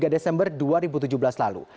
tiga desember dua ribu tujuh belas lalu